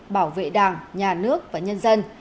bảo vệ đảng nhà nước và nhân dân